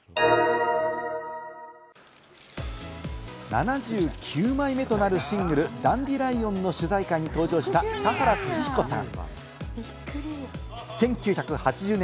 ７９枚目となるシングル『ダンディライオン』の取材会に登場した田原俊彦さん。